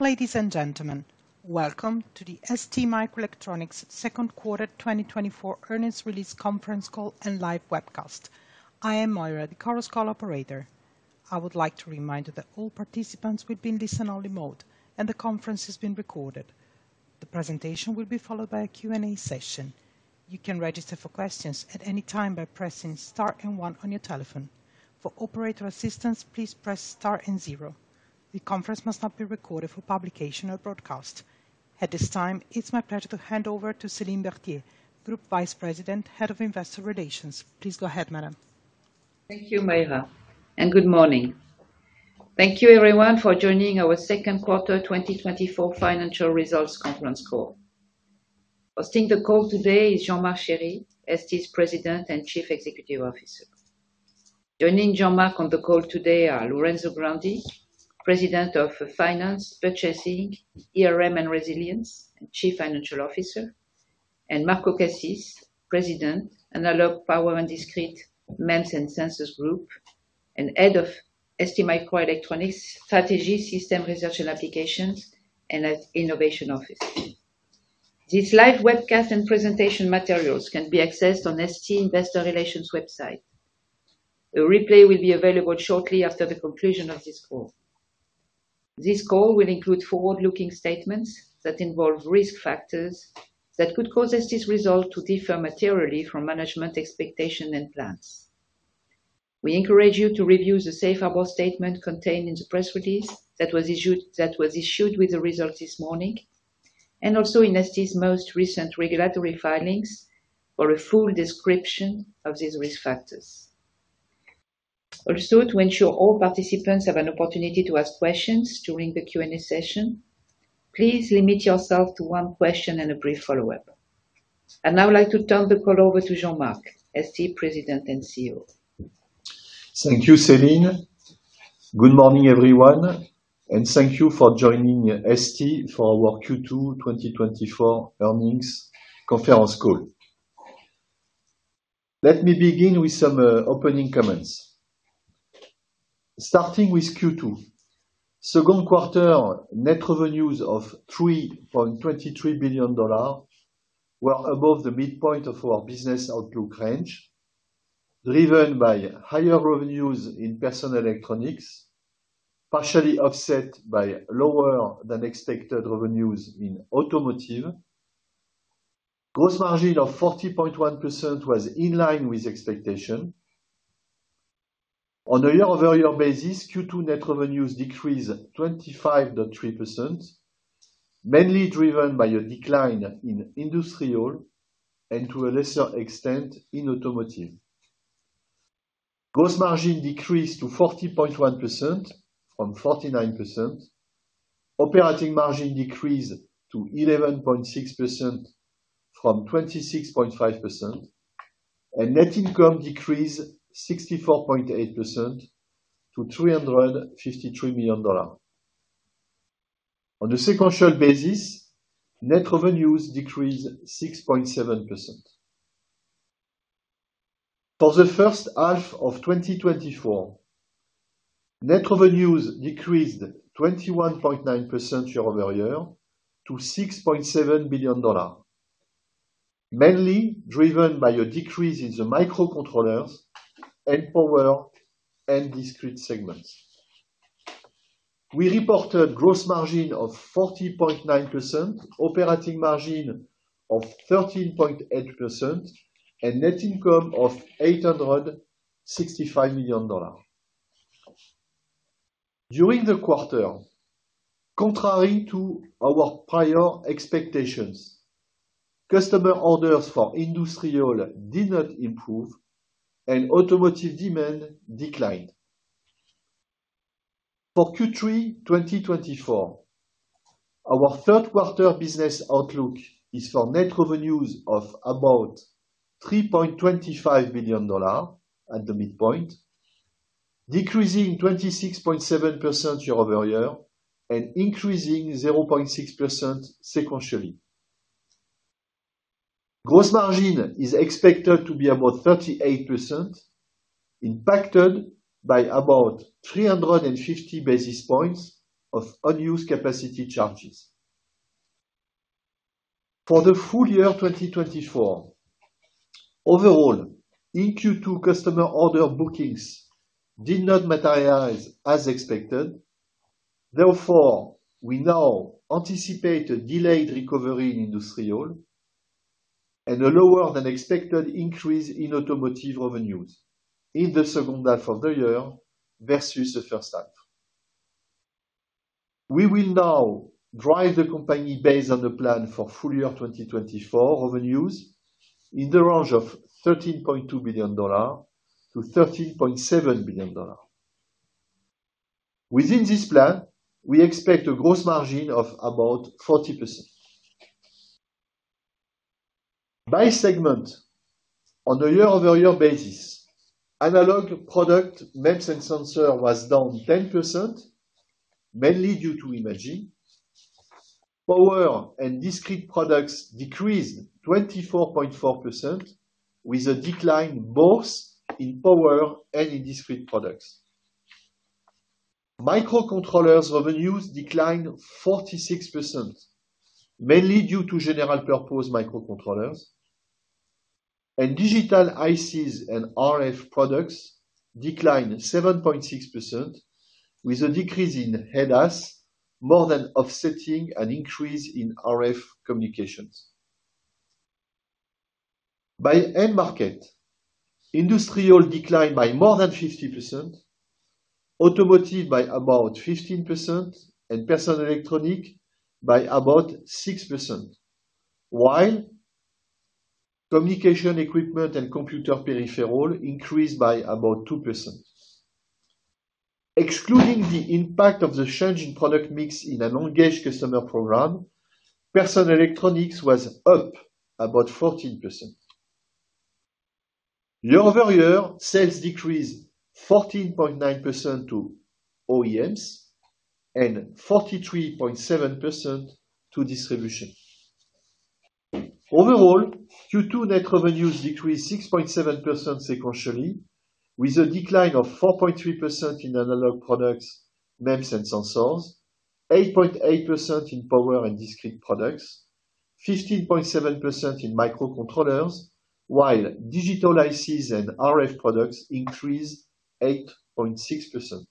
Ladies and gentlemen, welcome to the STMicroelectronics second quarter 2024 earnings release conference call and live webcast. I am Moira, the call's call operator. I would like to remind you that all participants will be in listen-only mode, and the conference is being recorded. The presentation will be followed by a Q&A session. You can register for questions at any time by pressing * and one on your telephone. For operator assistance, please press * and zero. The conference must not be recorded for publication or broadcast. At this time, it's my pleasure to hand over to Céline Berthier, Group Vice President, Head of Investor Relations. Please go ahead, madam. Thank you, Moira, and good morning. Thank you everyone for joining our second quarter 2024 financial results conference call. Hosting the call today is Jean-Marc Chéry, ST's President and Chief Executive Officer. Joining Jean-Marc on the call today are Lorenzo Grandi, President of Finance, Purchasing, ERM and Resilience, and Chief Financial Officer, and Marco Cassis, President, Analog, Power, and Discrete, MEMS and Sensors Group, and Head of STMicroelectronics Strategy, System, Research, and Applications, and Innovation Office. This live webcast and presentation materials can be accessed on ST Investor Relations website. A replay will be available shortly after the conclusion of this call. This call will include forward-looking statements that involve risk factors that could cause ST's result to differ materially from management expectations and plans. We encourage you to review the safe harbor statement contained in the press release that was issued, that was issued with the results this morning, and also in ST's most recent regulatory filings for a full description of these risk factors. Also, to ensure all participants have an opportunity to ask questions during the Q&A session, please limit yourself to one question and a brief follow-up. Now I'd like to turn the call over to Jean-Marc, ST President and CEO. Thank you, Céline. Good morning, everyone, and thank you for joining ST for our Q2 2024 earnings conference call. Let me begin with some opening comments. Starting with Q2. Second quarter net revenues of $3.23 billion were above the midpoint of our business outlook range, driven by higher revenues in personal electronics, partially offset by lower than expected revenues in automotive. Gross margin of 40.1% was in line with expectation. On a year-over-year basis, Q2 net revenues decreased 25.3%, mainly driven by a decline in industrial and to a lesser extent in automotive. Gross margin decreased to 40.1% from 49%. Operating margin decreased to 11.6% from 26.5%, and net income decreased 64.8% to $353 million. On a sequential basis, net revenues decreased 6.7%. For the first half of 2024, net revenues decreased 21.9% year-over-year to $6.7 billion, mainly driven by a decrease in the microcontrollers and power and discrete segments. We reported gross margin of 40.9%, operating margin of 13.8%, and net income of $865 million. During the quarter, contrary to our prior expectations, customer orders for industrial did not improve and automotive demand declined. For Q3 2024, our third quarter business outlook is for net revenues of about $3.25 billion at the midpoint, decreasing 26.7% year-over-year and increasing 0.6% sequentially. Gross margin is expected to be about 38%, impacted by about 350 basis points of unused capacity charges. For the full year 2024, overall, in Q2, customer order bookings did not materialize as expected. Therefore, we now anticipate a delayed recovery in industrial and a lower than expected increase in automotive revenues in the second half of the year versus the first half. We will now drive the company based on the plan for full year 2024 revenues in the range of $13.2 billion-$13.7 billion. Within this plan, we expect a gross margin of about 40%. By segment, on a year-over-year basis, analog product, MEMS and sensor was down 10%, mainly due to imaging. Power and discrete products decreased 24.4%, with a decline both in power and in discrete products. Microcontrollers revenues declined 46%, mainly due to general purpose microcontrollers. Digital ICs and RF products declined 7.6%, with a decrease in ADAS more than offsetting an increase in RF communications. By end market, industrial declined by more than 50%, automotive by about 15%, and personal electronics by about 6%, while communication equipment and computer peripherals increased by about 2%. Excluding the impact of the change in product mix in an engaged customer program, personal electronics was up about 14%. Year-over-year, sales decreased 14.9% to OEMs and 43.7% to distribution. Overall, Q2 net revenues decreased 6.7% sequentially, with a decline of 4.3% in analog products, MEMS, and sensors, 8.8% in power and discrete products, 15.7% in microcontrollers, while digital ICs and RF products increased 8.6%.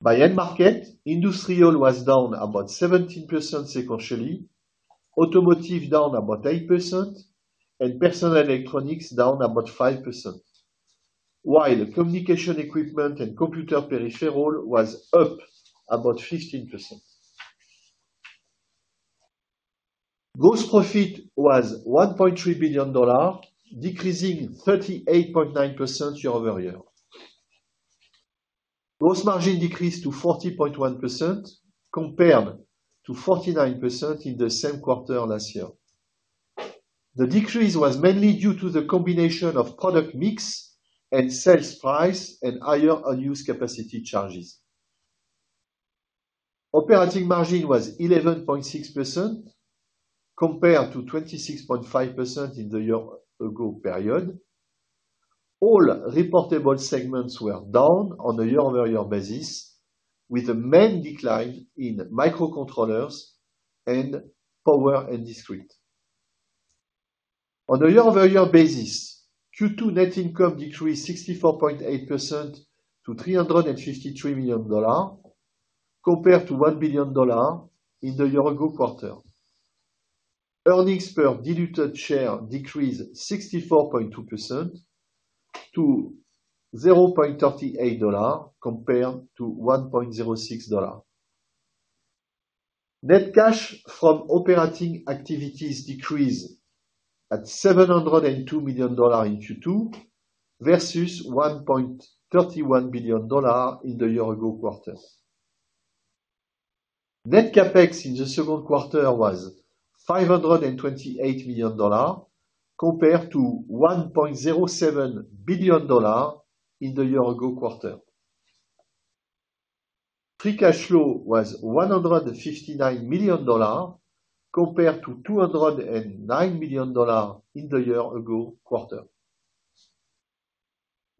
By end market, industrial was down about 17% sequentially, automotive down about 8%, and personal electronics down about 5%, while communication equipment and computer peripheral was up about 15%. Gross profit was $1.3 billion, decreasing 38.9% year-over-year. Gross margin decreased to 40.1% compared to 49% in the same quarter last year. The decrease was mainly due to the combination of product mix and sales price and higher unused capacity charges. Operating margin was 11.6% compared to 26.5% in the year-ago period. All reportable segments were down on a year-over-year basis, with a main decline in microcontrollers and power, and discrete. On a year-over-year basis, Q2 net income decreased 64.8% to $353 million, compared to $1 billion in the year-ago quarter. Earnings per diluted share decreased 64.2% to $0.38, compared to $1.06. Net cash from operating activities decreased to $702 million in Q2 versus $1.31 billion in the year-ago quarter. Net CapEx in the second quarter was $528 million, compared to $1.07 billion in the year-ago quarter. Free cash flow was $159 million, compared to $209 million in the year-ago quarter.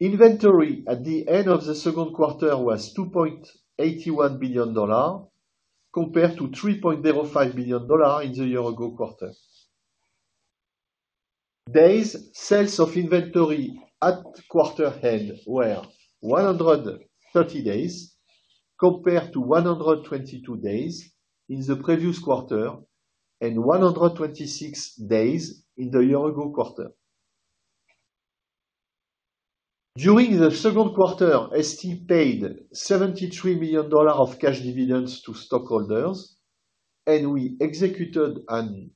Inventory at the end of the second quarter was $2.81 billion, compared to $3.05 billion in the year-ago quarter. Days sales of inventory at quarter end were 130 days, compared to 122 days in the previous quarter and 126 days in the year-ago quarter. During the second quarter, ST paid $73 million of cash dividends to stockholders, and we executed an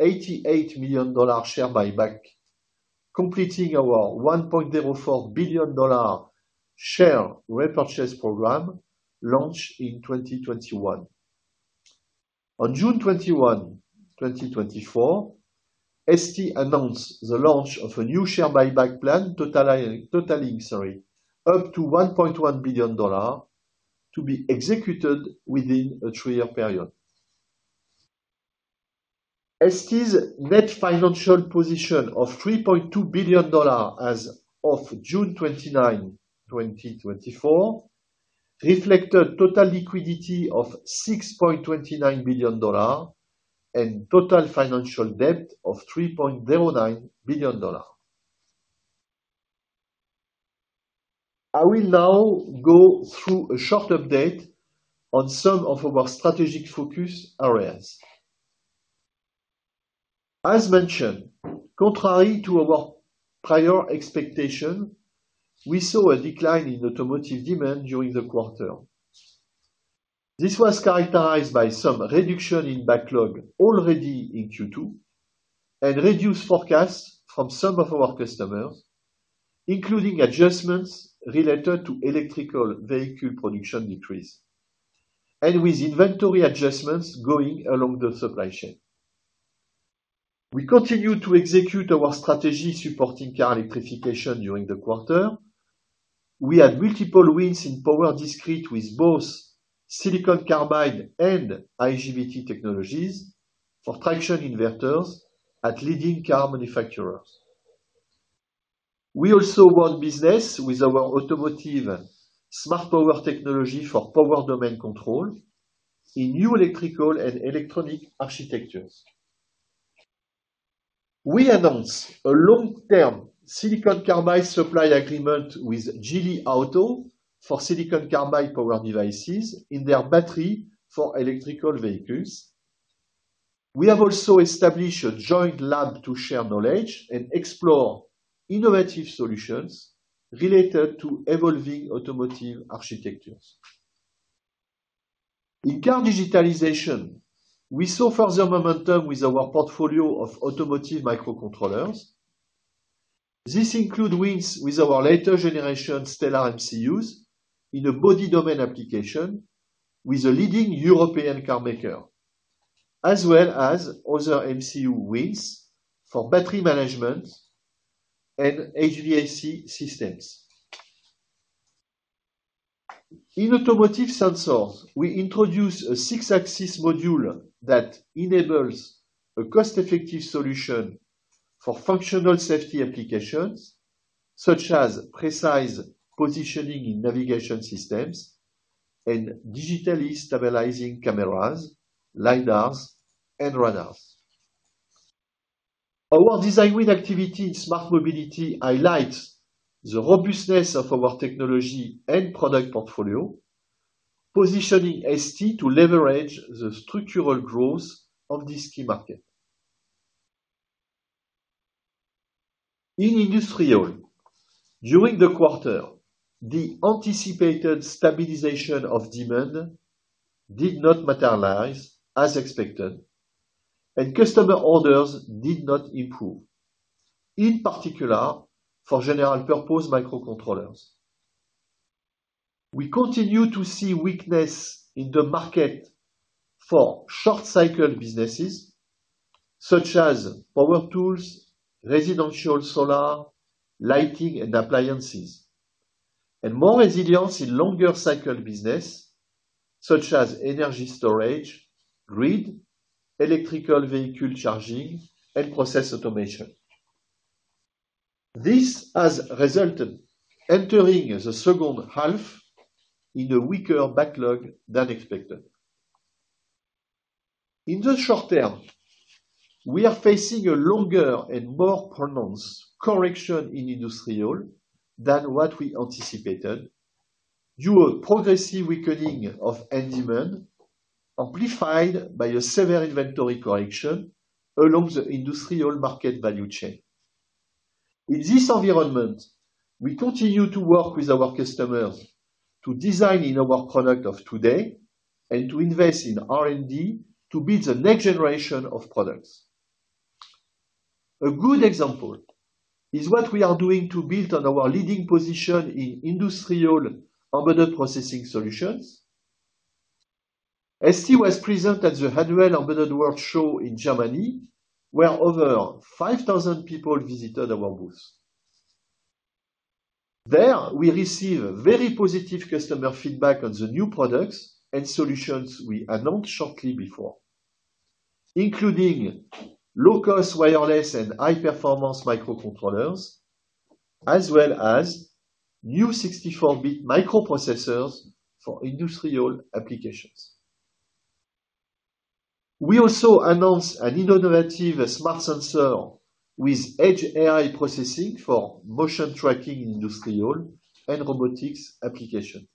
$88 million share buyback, completing our $1.04 billion share repurchase program launched in 2021. On June 21, 2024, ST announced the launch of a new share buyback plan totaling, sorry, up to $1.1 billion to be executed within a three-year period. ST's net financial position of $3.2 billion as of June 29, 2024, reflected total liquidity of $6.29 billion and total financial debt of $3.09 billion. I will now go through a short update on some of our strategic focus areas. As mentioned, contrary to our prior expectation, we saw a decline in automotive demand during the quarter. This was characterized by some reduction in backlog already in Q2 and reduced forecasts from some of our customers, including adjustments related to electric vehicle production decrease, and with inventory adjustments going along the supply chain. We continue to execute our strategy supporting car electrification during the quarter. We had multiple wins in power discrete with both silicon carbide and IGBT technologies for traction inverters at leading car manufacturers. We also won business with our automotive Smart Power technology for power domain control in new electrical and electronic architectures. We announced a long-term silicon carbide supply agreement with Geely Auto for silicon carbide power devices in their battery for electric vehicles. We have also established a joint lab to share knowledge and explore innovative solutions related to evolving automotive architectures. In car digitalization, we saw further momentum with our portfolio of automotive microcontrollers. This includes wins with our later generation Stellar MCUs in a body domain application with a leading European car maker, as well as other MCU wins for battery management and HVAC systems. In automotive sensors, we introduce a six-axis module that enables a cost-effective solution for functional safety applications, such as precise positioning in navigation systems and digitally stabilizing cameras, lidars, and radars. Our design win activity in smart mobility highlights the robustness of our technology and product portfolio, positioning ST to leverage the structural growth of this key market. In industrial, during the quarter, the anticipated stabilization of demand did not materialize as expected, and customer orders did not improve, in particular, for general purpose microcontrollers. We continue to see weakness in the market for short cycle businesses, such as power tools, residential solar, lighting, and appliances, and more resilience in longer cycle business, such as energy storage, grid, electric vehicle charging, and process automation. This has resulted, entering the second half, in a weaker backlog than expected. In the short term, we are facing a longer and more pronounced correction in industrial than what we anticipated due to progressive weakening of end demand, amplified by a severe inventory correction along the industrial market value chain. In this environment, we continue to work with our customers to design in our product of today and to invest in R&D to build the next generation of products. A good example is what we are doing to build on our leading position in industrial embedded processing solutions. ST was present at the annual Embedded World Show in Germany, where over 5,000 people visited our booth. There, we receive very positive customer feedback on the new products and solutions we announced shortly before, including low-cost, wireless, and high-performance microcontrollers, as well as new 64-bit microprocessors for industrial applications. We also announced an innovative smart sensor with edge AI processing for motion tracking, industrial, and robotics application.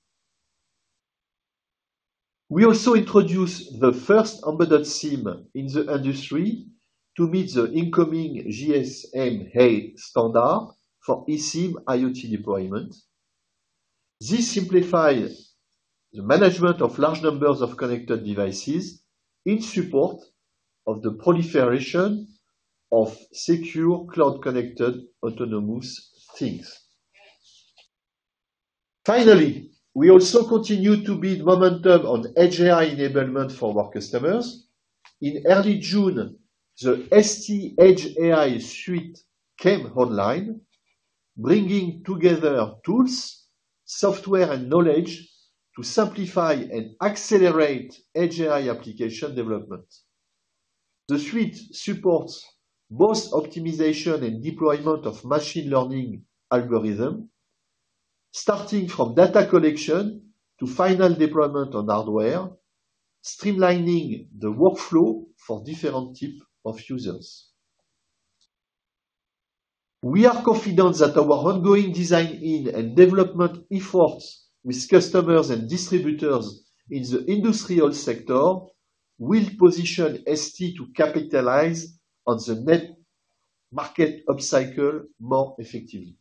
We also introduced the first embedded SIM in the industry to meet the incoming GSMA standard for eSIM IoT deployment. This simplifies the management of large numbers of connected devices in support of the proliferation of secure, cloud-connected, autonomous things. Finally, we also continue to build momentum on edge AI enablement for our customers. In early June, the ST Edge AI Suite came online, bringing together tools, software, and knowledge to simplify and accelerate edge AI application development. The suite supports both optimization and deployment of machine learning algorithm, starting from data collection to final deployment on hardware, streamlining the workflow for different type of users. We are confident that our ongoing design in and development efforts with customers and distributors in the industrial sector will position ST to capitalize on the net market upcycle more effectively.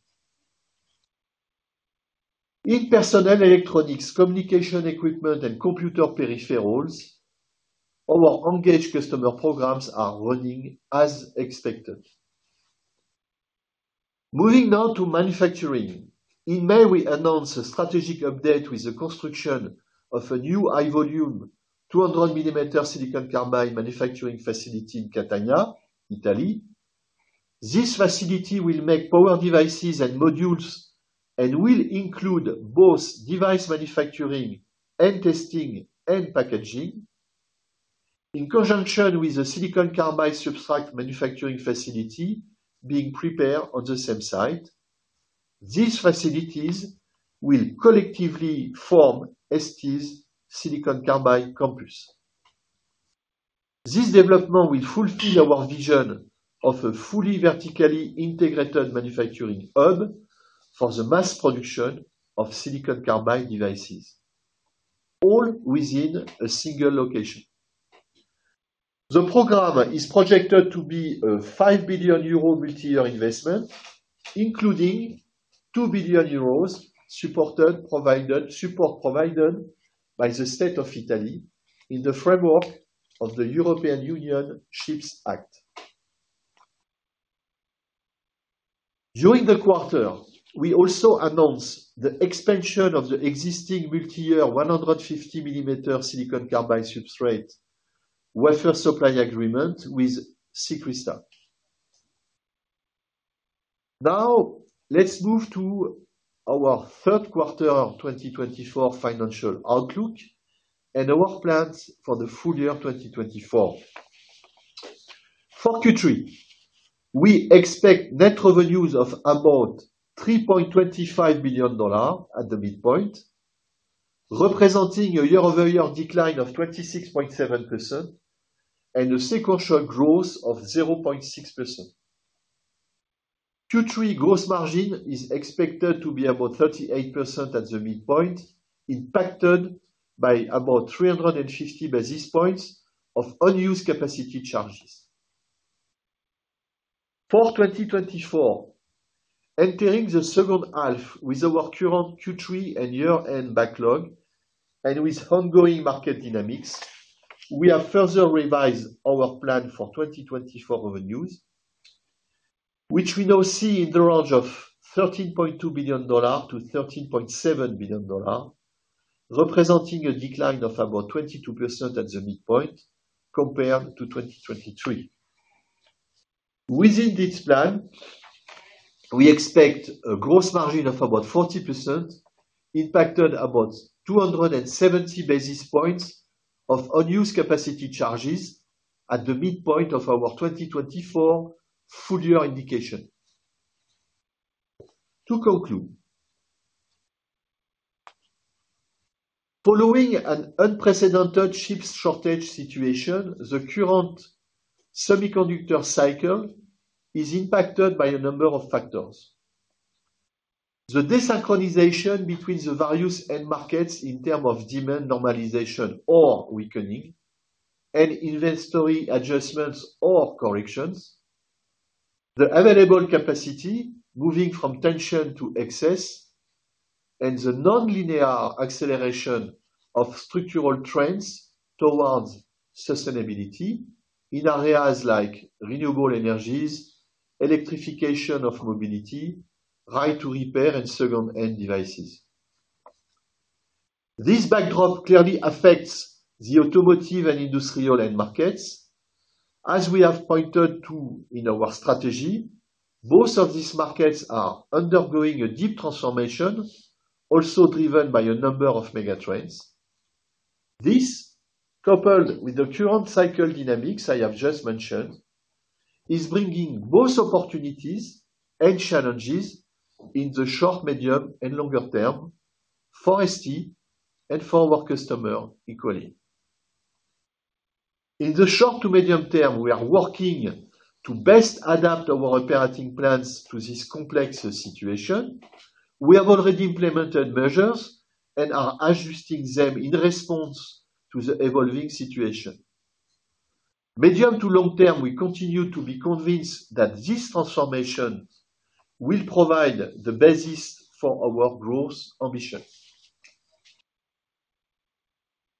In personal electronics, communication equipment, and computer peripherals, our engaged customer programs are running as expected.... Moving now to manufacturing. In May, we announced a strategic update with the construction of a new high-volume, 200-millimeter silicon carbide manufacturing facility in Catania, Italy. This facility will make power devices and modules, and will include both device manufacturing and testing, and packaging. In conjunction with the silicon carbide substrate manufacturing facility being prepared on the same site, these facilities will collectively form ST's silicon carbide campus. This development will fulfill our vision of a fully vertically integrated manufacturing hub for the mass production of silicon carbide devices, all within a single location. The program is projected to be a 5 billion euro multi-year investment, including 2 billion euros provided by the state of Italy in the framework of the European Union Chips Act. During the quarter, we also announced the expansion of the existing multi-year 150 millimeter silicon carbide substrate wafer supply agreement with SiCrystal. Now, let's move to our third quarter 2024 financial outlook and our plans for the full year 2024. For Q3, we expect net revenues of about $3.25 billion at the midpoint, representing a year-over-year decline of 26.7% and a sequential growth of 0.6%. Q3 gross margin is expected to be about 38% at the midpoint, impacted by about 350 basis points of unused capacity charges. For 2024, entering the second half with our current Q3 and year-end backlog and with ongoing market dynamics, we have further revised our plan for 2024 revenues, which we now see in the range of $13.2 billion-$13.7 billion, representing a decline of about 22% at the midpoint compared to 2023. Within this plan, we expect a gross margin of about 40%, impacted about 270 basis points of unused capacity charges at the midpoint of our 2024 full year indication. To conclude, following an unprecedented chips shortage situation, the current semiconductor cycle is impacted by a number of factors. The desynchronization between the values and markets in terms of demand normalization or weakening and inventory adjustments or corrections, the available capacity moving from tension to excess, and the nonlinear acceleration of structural trends towards sustainability in areas like renewable energies, electrification of mobility, right to repair and second-hand devices. This backdrop clearly affects the automotive and industrial end markets. As we have pointed to in our strategy, both of these markets are undergoing a deep transformation, also driven by a number of mega trends. This, coupled with the current cycle dynamics I have just mentioned, is bringing both opportunities and challenges in the short, medium, and longer term for ST and for our customer equally. In the short to medium term, we are working to best adapt our operating plans to this complex situation. We have already implemented measures and are adjusting them in response to the evolving situation. Medium to long term, we continue to be convinced that this transformation will provide the basis for our growth ambition.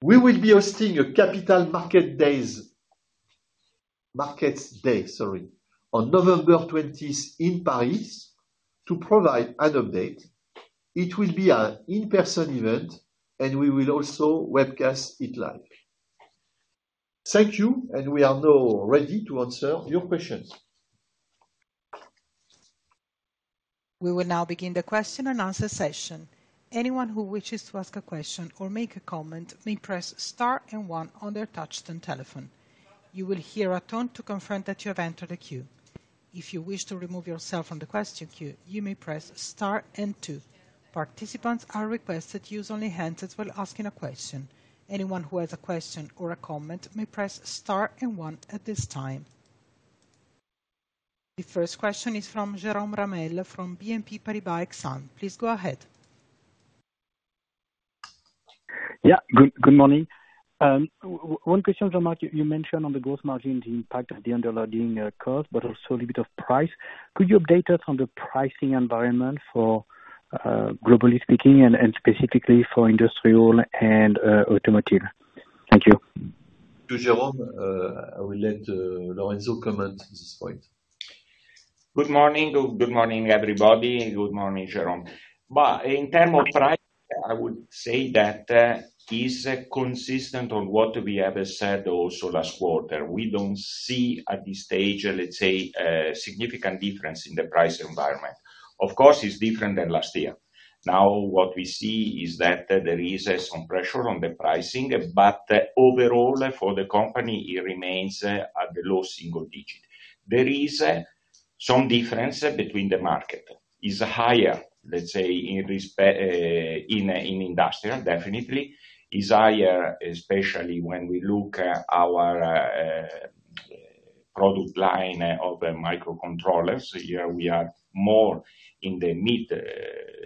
We will be hosting a Capital Markets Day - markets day, sorry, on November twentieth in Paris, to provide an update. It will be an in-person event, and we will also webcast it live. Thank you, and we are now ready to answer your questions. We will now begin the question and answer session. Anyone who wishes to ask a question or make a comment may press * and one on their touchtone telephone. You will hear a tone to confirm that you have entered a queue. If you wish to remove yourself from the question queue, you may press * and two. Participants are requested to use only handsets while asking a question. Anyone who has a question or a comment may press * and one at this time. The first question is from Jérôme Ramel, from BNP Paribas Exane. Please go ahead. Yeah, good, good morning. One question, Jean-Marc, you, you mentioned on the gross margin, the impact of the underloading cost, but also a little bit of price. Could you update us on the pricing environment for, globally speaking and, and specifically for industrial and, automotive? ...To Jérôme, I will let Lorenzo comment at this point. Good morning. Good morning, everybody, and good morning, Jérôme. But in terms of price, I would say that it's consistent on what we have said also last quarter. We don't see at this stage, let's say, a significant difference in the price environment. Of course, it's different than last year. Now, what we see is that there is some pressure on the pricing, but overall, for the company, it remains at the low single-digit. There is some difference between the market. It's higher, let's say, in industrial, definitely. It's higher, especially when we look at our product line of the microcontrollers. Here, we are more in the mid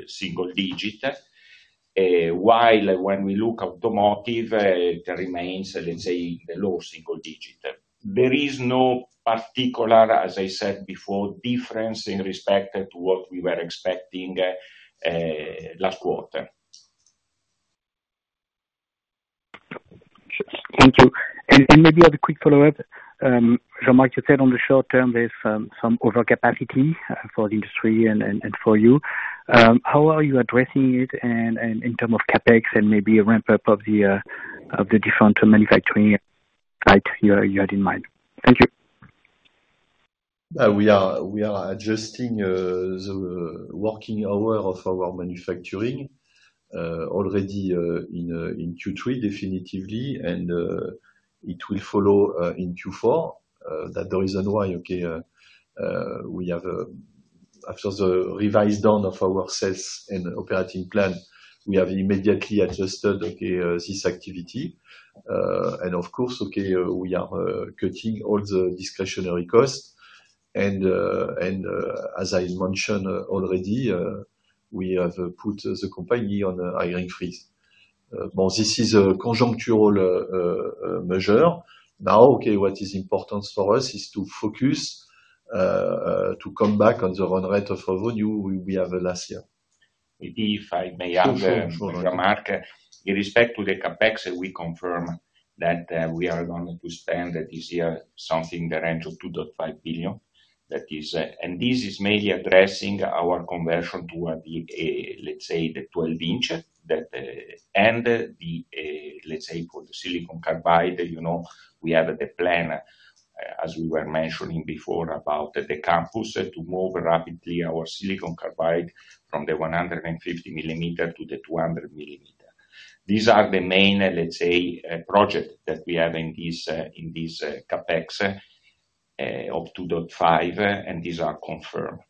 single-digit. While when we look at automotive, it remains, let's say, the low single-digit. There is no particular, as I said before, difference in respect to what we were expecting last quarter. Thank you. And maybe a quick follow-up. Jean-Marc, you said on the short term, there's some overcapacity for the industry and for you. How are you addressing it, and in terms of CapEx, and maybe a ramp up of the different manufacturing site you had in mind? Thank you. We are adjusting the working hour of our manufacturing already in Q3, definitively, and it will follow in Q4. That's the reason why, okay, we have after the revised down of our sales and operating plan, we have immediately adjusted, okay, this activity. And of course, okay, we are cutting all the discretionary costs. And as I mentioned already, we have put the company on a hiring freeze. Well, this is a conjunctural measure. Now, okay, what is important for us is to focus to come back on the run rate of revenue we have last year. If I may add, Jean-Marc. In respect to the CapEx, we confirm that, we are going to spend this year something in the range of 2.5 billion. That is, and this is mainly addressing our conversion to, the, a, let's say, the 12-inch, that, and the, let's say, for the silicon carbide, you know, we have the plan, as we were mentioning before, about the campus to move rapidly our silicon carbide from the 150 mm to the 200 mm. These are the main, let's say, project that we have in this, in this, CapEx, of two point five, and these are confirmed.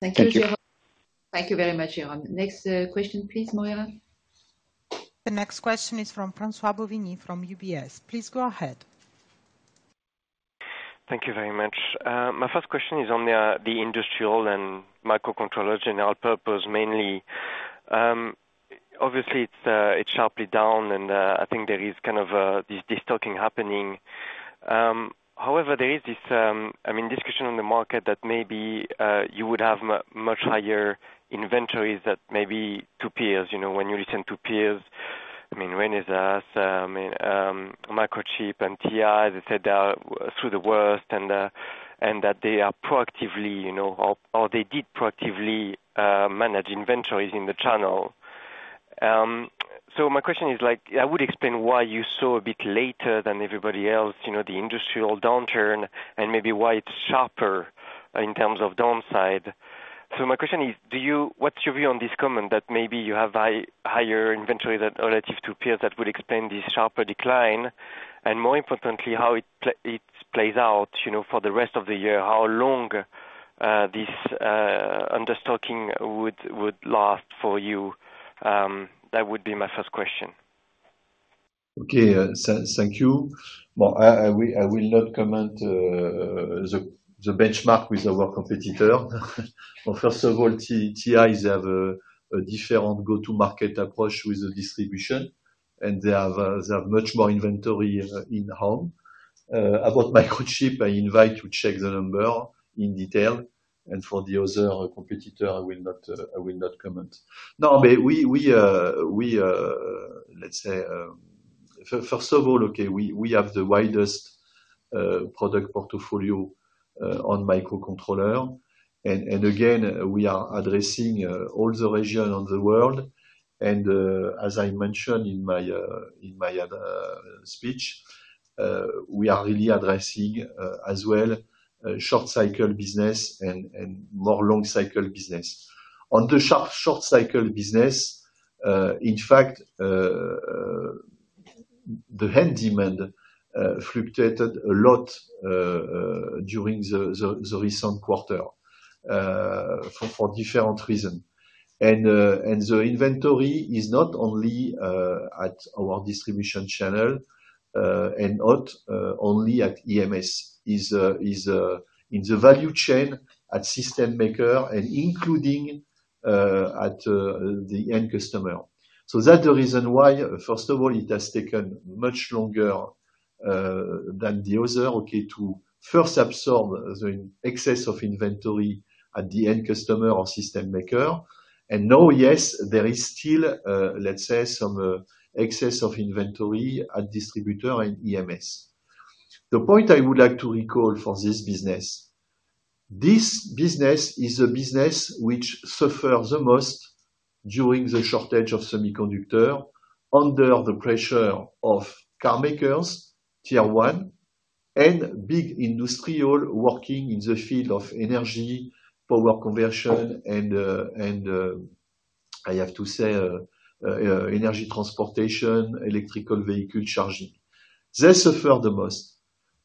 Thank you. Thank you very much, Jérôme. Next, question, please, Moira. The next question is from François-Xavier Bouvignies, from UBS. Please go ahead. Thank you very much. My first question is on the industrial and microcontroller general purpose, mainly. Obviously, it's sharply down, and I think there is kind of this talking happening. However, there is this I mean discussion on the market that maybe you would have much higher inventories that maybe to peers, you know, when you listen to peers, I mean, Renesas, and Microchip and TI, they said they are through the worst and that they are proactively, you know, or they did proactively manage inventories in the channel. So my question is like, I would explain why you saw a bit later than everybody else, you know, the industrial downturn and maybe why it's sharper in terms of downside. So my question is, what's your view on this comment that maybe you have higher inventory than relative to peers that would explain this sharper decline, and more importantly, how it plays out, you know, for the rest of the year? How long this understocking would last for you? That would be my first question. Okay, thank you. Well, I will not comment the benchmark with our competitor. But first of all, TI, they have a different go-to-market approach with the distribution, and they have much more inventory in house. About Microchip, I invite to check the number in detail, and for the other competitor, I will not comment. No, but we, let's say, first of all, okay, we have the widest product portfolio on microcontroller, and again, we are addressing all the region of the world. And as I mentioned in my speech, we are really addressing as well short cycle business and more long cycle business. On the sharp short cycle business, in fact, the end demand fluctuated a lot during the recent quarter, for different reason. And the inventory is not only at our distribution channel, and not only at EMS, is in the value chain at system maker and including at the end customer. So that's the reason why, first of all, it has taken much longer than the other, okay, to first absorb the excess of inventory at the end customer or system maker. And now, yes, there is still, let's say, some excess of inventory at distributor and EMS. The point I would like to recall for this business, this business is a business which suffers the most during the shortage of semiconductor, under the pressure of car makers, tier one, and big industrial working in the field of energy, power conversion, and, I have to say, energy transportation, electric vehicle charging. They suffer the most.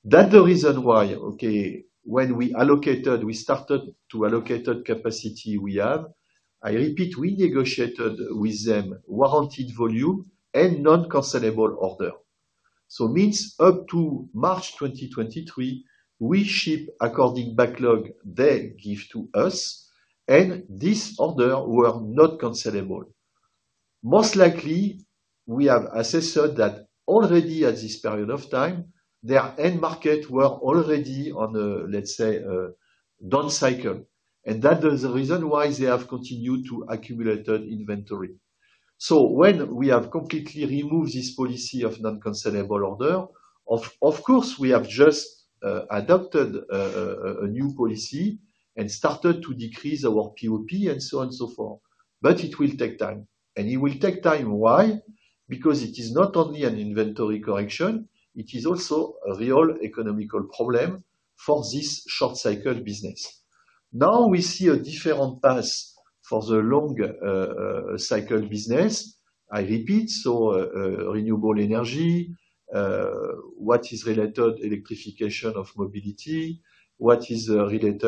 That's the reason why, okay, when we allocated, we started to allocate capacity we have. I repeat, we negotiated with them warranted volume and non-cancelable order. So means up to March 2023, we ship according backlog they give to us, and this order were not cancelable. Most likely, we have assessed that already at this period of time, their end market were already on a, let's say, a down cycle, and that is the reason why they have continued to accumulated inventory. So when we have completely removed this policy of non-cancelable order, of course, we have just adopted a new policy and started to decrease our POP, and so on and so forth. But it will take time, and it will take time. Why? Because it is not only an inventory correction, it is also a real economic problem for this short cycle business. Now, we see a different path for the long cycle business. I repeat, renewable energy, what is related electrification of mobility, what is related,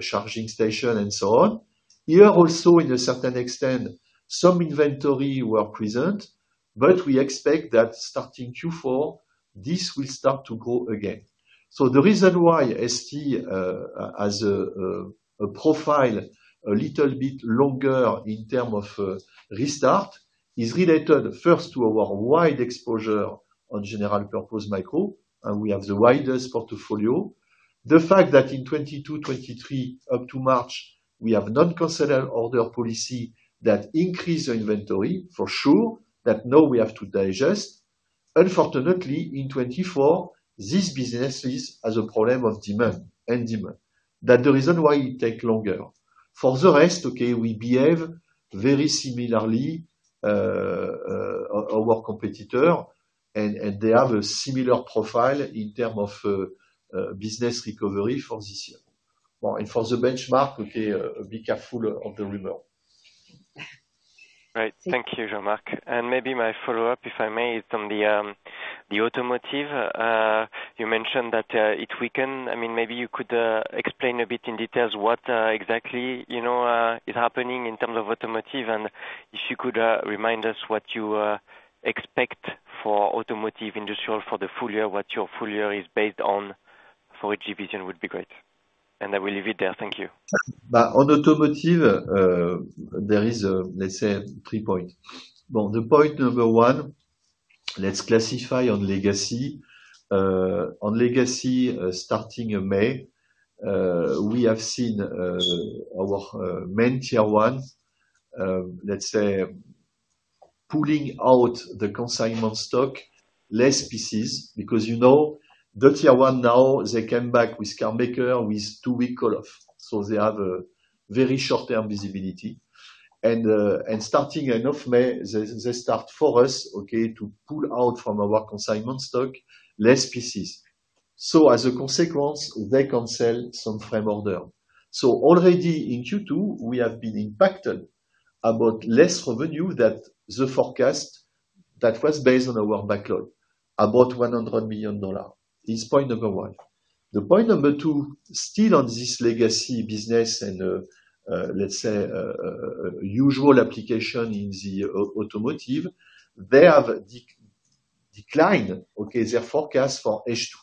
charging station, and so on. Here also, to a certain extent, some inventory were present, but we expect that starting Q4, this will start to grow again. So the reason why ST has a profile a little bit longer in terms of restart is related first to our wide exposure on general purpose micro, and we have the widest portfolio. The fact that in 2022, 2023, up to March, we have not considered order policy that increase the inventory for sure, that now we have to digest. Unfortunately, in 2024, this businesses has a problem of demand and demand. That the reason why it take longer. For the rest, okay, we behave very similarly our competitor, and they have a similar profile in terms of business recovery for this year. Well, and for the benchmark, okay, be careful of the rumor. Right. Thank you, Jean-Marc. And maybe my follow-up, if I may, is on the automotive. You mentioned that it weakened. I mean, maybe you could explain a bit in details what exactly, you know, is happening in terms of automotive, and if you could remind us what you expect for automotive industrial for the full year, what your full year is based on for a division would be great. And I will leave it there. Thank you. But on automotive, there is, let's say three points. Well, the point number one, let's classify on legacy. On legacy, starting in May, we have seen, our, main tier one, let's say, pulling out the consignment stock, less pieces, because, you know, the tier one now, they came back with carmaker with two weeks off, so they have a very short-term visibility. And, and starting end of May, they, they start for us, okay, to pull out from our consignment stock, less pieces. So as a consequence, they cancel some frame order. So already in Q2, we have been impacted about less revenue than the forecast that was based on our backlog, about $100 million. This point number one. The point number two, still on this legacy business and, let's say, usual application in the automotive, they have declined, okay, their forecast for H2.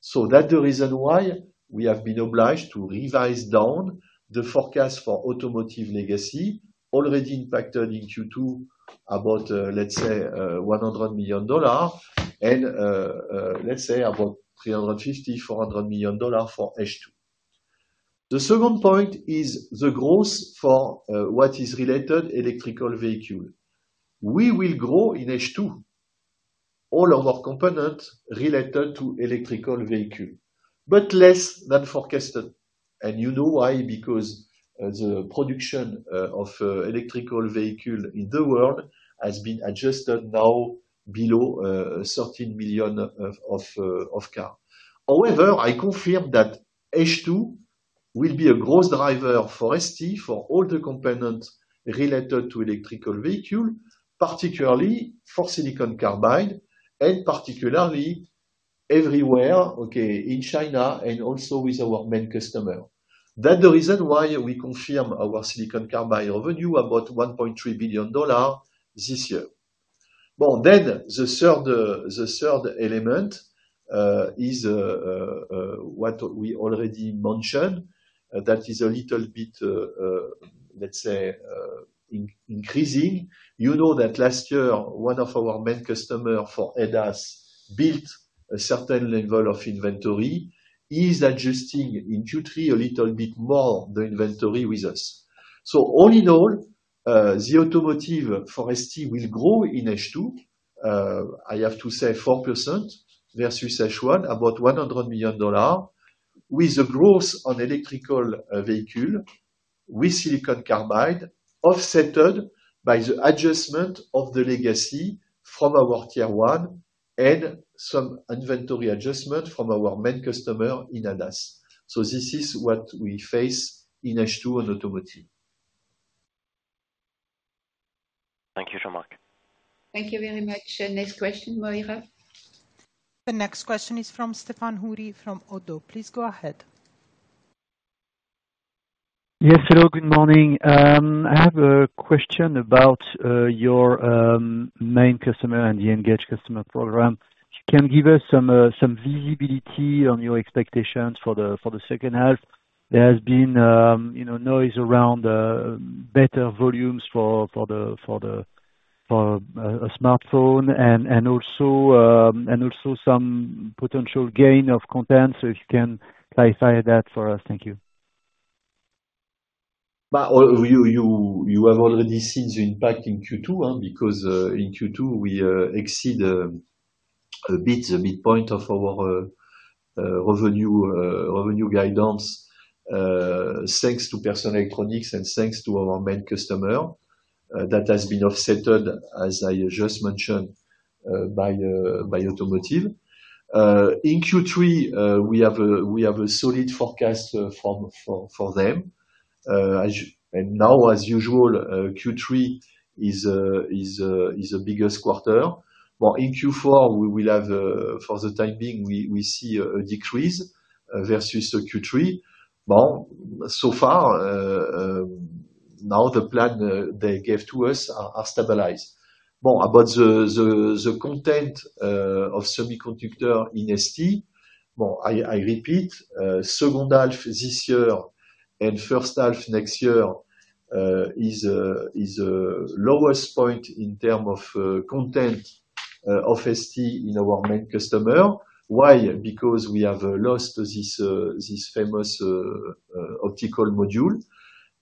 So that's the reason why we have been obliged to revise down the forecast for automotive legacy, already impacted in Q2 about, let's say, $100 million and, let's say, about $350-$400 million for H2. The second point is the growth for what is related to electric vehicle. We will grow in H2, all of our components related to electric vehicle, but less than forecasted. And you know why? Because the production of electric vehicle in the world has been adjusted now below 13 million of cars. However, I confirm that H2 will be a growth driver for ST, for all the components related to electric vehicle, particularly for silicon carbide, and particularly everywhere, okay, in China and also with our main customer. That's the reason why we confirm our silicon carbide revenue, about $1.3 billion this year. Well, then, the third element is what we already mentioned. That is a little bit, let's say, increasing. You know that last year, one of our main customer for ADAS built a certain level of inventory. He is adjusting in Q3 a little bit more the inventory with us. So all in all, the automotive for ST will grow in H2. I have to say 4% versus H1, about $100 million, with a growth on electric vehicle with silicon carbide, offset by the adjustment of the legacy from our Tier 1 and some inventory adjustment from our main customer in ADAS. So this is what we face in H2 on automotive. Thank you, Jean-Marc. Thank you very much. Next question, Moira? The next question is from Stéphane Houri from ODDO BHF. Please go ahead. Yes, hello, good morning. I have a question about your main customer and the engage customer program. Can you give us some visibility on your expectations for the second half? There has been, you know, noise around better volumes for the smartphone and also some potential gain of content, so if you can clarify that for us. Thank you. But you have already seen the impact in Q2, because in Q2 we exceed a bit the midpoint of our revenue guidance thanks to personal electronics and thanks to our main customer. That has been offsetted, as I just mentioned, by automotive. In Q3 we have a solid forecast from for them. And now, as usual, Q3 is the biggest quarter. Well, in Q4 we will have, for the time being, we see a decrease versus Q3. Well, so far now the plan they gave to us are stabilized. Well, about the content of semiconductor in ST, well, I repeat, second half this year and first half next year is lowest point in term of content of ST in our main customer. Why? Because we have lost this famous optical module.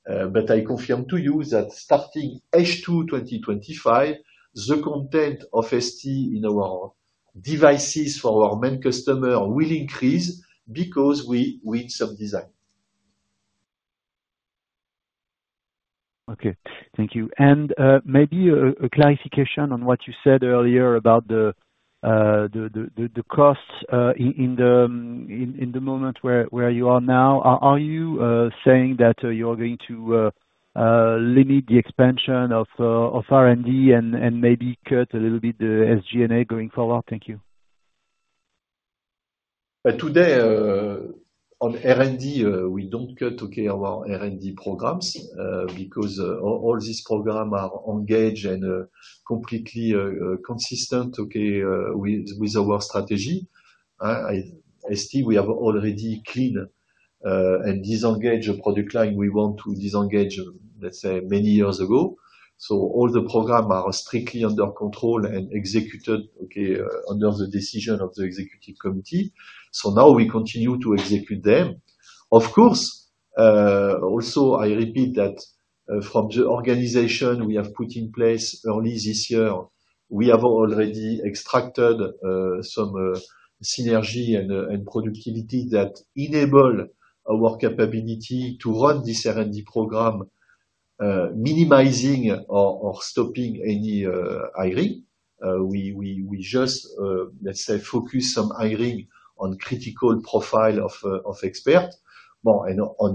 But I confirm to you that starting H2 2025, the content of ST in our devices for our main customer will increase because we win some design. Okay. Thank you. And maybe a clarification on what you said earlier about the costs in the moment where you are now. Are you saying that you're going to limit the expansion of R&D and maybe cut a little bit the SG&A going forward? Thank you. Today, on R&D, we don't cut, okay, our R&D programs, because all these programs are engaged and completely consistent, okay, with our strategy. ST, we have already cleaned and disengaged a product line we want to disengage, let's say, many years ago. So all the programs are strictly under control and executed, okay, under the decision of the executive committee. So now we continue to execute them. Of course, also, I repeat that, from the organization we have put in place early this year, we have already extracted some synergy and productivity that enable our capability to run this R&D program, minimizing or stopping any hiring. We just, let's say, focus some hiring on critical profile of expert. Well, and on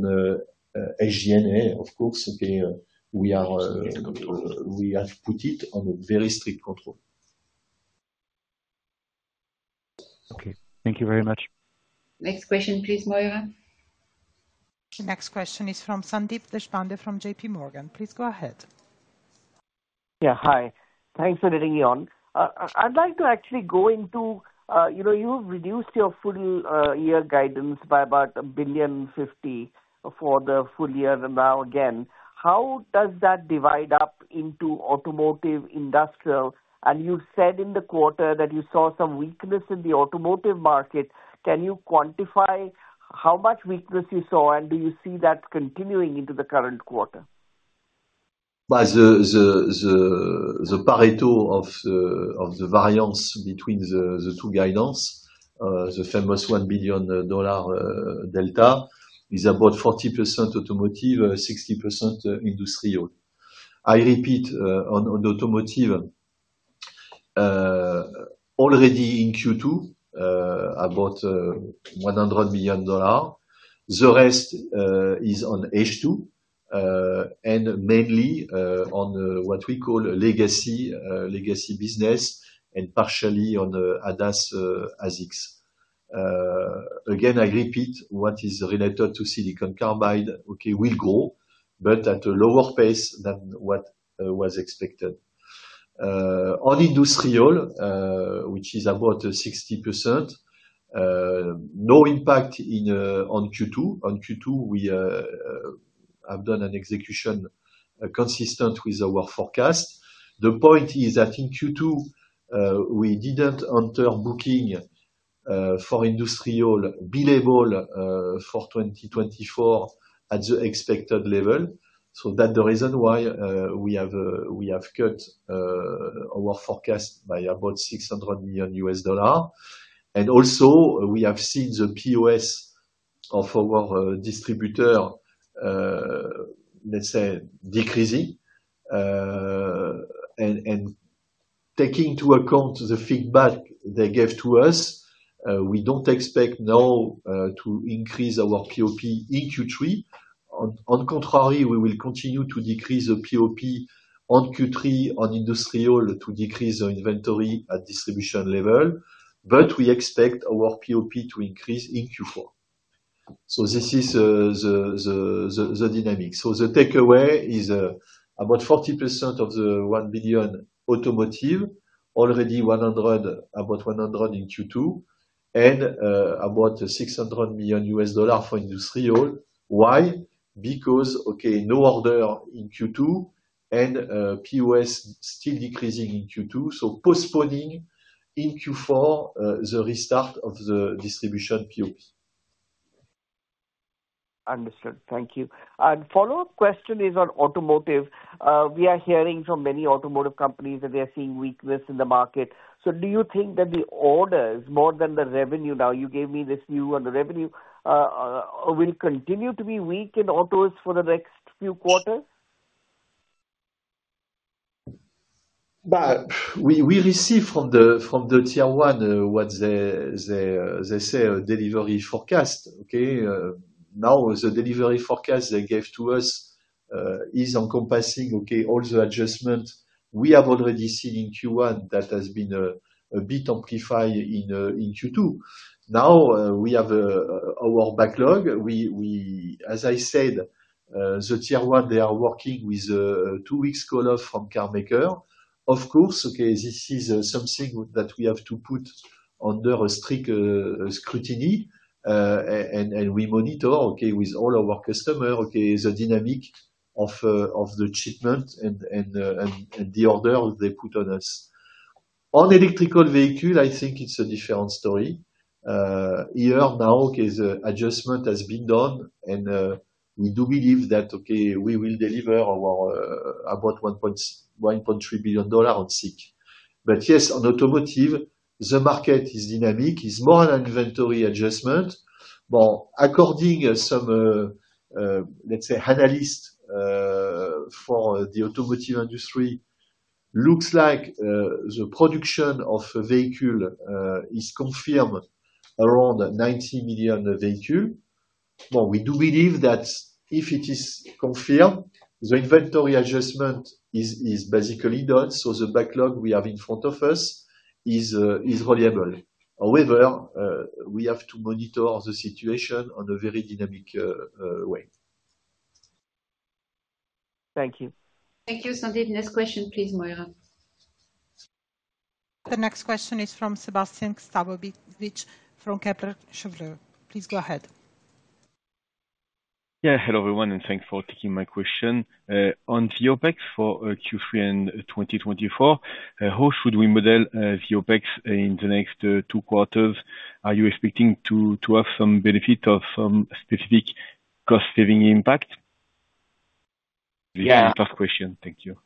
SG&A, of course, okay, we are, Okay. We have put it on a very strict control. Okay. Thank you very much. Next question, please, Moira. The next question is from Sandeep Deshpande, from J.P. Morgan. Please go ahead. Yeah, hi. Thanks for letting me on. I'd like to actually go into, you know, you've reduced your full year guidance by about 1.05 billion for the full year now, again. How does that divide up into automotive, industrial? And you said in the quarter that you saw some weakness in the automotive market. Can you quantify how much weakness you saw, and do you see that continuing into the current quarter? By the Pareto of the variance between the two guidance, the famous $1 billion delta, is about 40% automotive, 60% industrial. I repeat, on automotive, already in Q2, about $100 million. The rest is on H2, and mainly on what we call legacy business, and partially on ADAS ASiCs. Again, I repeat, what is related to silicon carbide, okay, will grow, but at a lower pace than what was expected. On industrial, which is about 60%, no impact on Q2. On Q2, we have done an execution consistent with our forecast. The point is that in Q2, we didn't enter booking for industrial billable for 2024 at the expected level. That's the reason why we have cut our forecast by about $600 million. Also, we have seen the POS of our distributor, let's say, decreasing. Taking into account the feedback they gave to us, we don't expect now to increase our POP in Q3. On the contrary, we will continue to decrease the POP in Q3 on industrial to decrease our inventory at distribution level, but we expect our POP to increase in Q4. This is the dynamic. The takeaway is about 40% of the $1 billion automotive, already about $100 million in Q2, and about $600 million for industrial. Why? Because, okay, no order in Q2, and POS still decreasing in Q2, so postponing in Q4 the restart of the distribution POS. Understood. Thank you. Follow-up question is on automotive. We are hearing from many automotive companies that they are seeing weakness in the market. Do you think that the orders, more than the revenue now, you gave me this view on the revenue, will continue to be weak in autos for the next few quarters? But we receive from the tier one what they say a delivery forecast, okay? Now, the delivery forecast they gave to us is encompassing, okay, all the adjustment we have already seen in Q1. That has been a bit amplified in Q2. Now, we have our backlog. As I said, the tier one they are working with two weeks call off from car maker. Of course, okay, this is something that we have to put under a strict scrutiny and we monitor, okay, with all our customer, okay, the dynamic of the shipment and the order they put on us. On electric vehicle, I think it's a different story. The adjustment has been done, and we do believe that we will deliver our about $1.3 billion on SiC. But yes, on automotive, the market is dynamic, is more an inventory adjustment. But according some, let's say, analyst, for the automotive industry, looks like the production of vehicle is confirmed around 90 million vehicle. But we do believe that if it is confirmed, the inventory adjustment is basically done, so the backlog we have in front of us is reliable. However, we have to monitor the situation on a very dynamic way. Thank you. Thank you, Sandeep. Next question, please, Moira. The next question is from Sébastien Sztabowicz from Kepler Cheuvreux. Please go ahead. Yeah, hello, everyone, and thanks for taking my question. On the OpEx for Q3 and 2024, how should we model the OpEx in the next two quarters? Are you expecting to have some benefit of some specific cost-saving impact? Yeah. This is the first question. Thank you.